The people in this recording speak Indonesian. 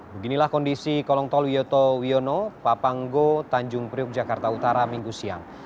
beginilah kondisi kolong tol wiyoto wiono papanggo tanjung priuk jakarta utara minggu siang